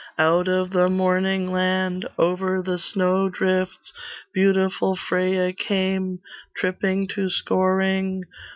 Out of the morning land, Over the snowdrifts, Beautiful Freya came, Tripping to Scoring.